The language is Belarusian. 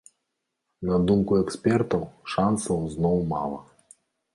На думку экспертаў, шансаў зноў мала.